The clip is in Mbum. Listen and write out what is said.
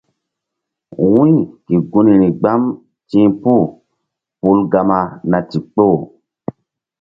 Wu̧y ke gunri gbam ti̧h puh pul Gama na ndikpoh.